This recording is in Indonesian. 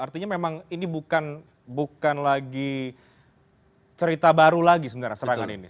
artinya memang ini bukan lagi cerita baru lagi sebenarnya serangan ini